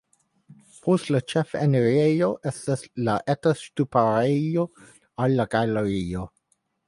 Post la ĉefenirejo estas eta ŝtuparejo al la galerio.